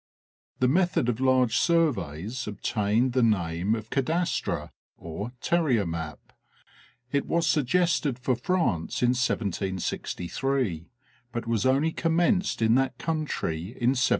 The method of large surveys obtained the name of Cadastre (Terrier map). It was suggested for France in 1763, but was only commenced in that country in 1793.